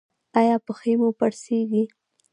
ایا پښې مو پړسیږي؟